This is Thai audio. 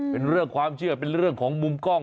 เป็นเรื่องความเชื่อเป็นเรื่องของมุมกล้อง